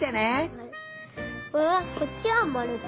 これはこっちはまるだ。